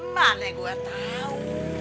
mana gua tahu